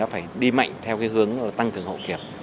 phải đi mạnh theo hướng tăng cường hậu kiểm